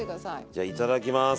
じゃあいただきます。